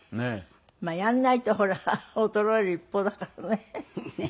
まあやんないとほら衰える一方だからね。